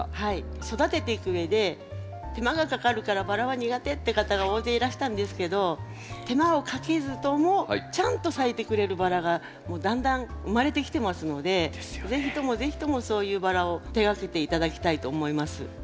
育てていくうえで手間がかかるからバラは苦手って方が大勢いらしたんですけど手間をかけずともちゃんと咲いてくれるバラがだんだん生まれてきてますので是非とも是非ともそういうバラを手がけて頂きたいと思います。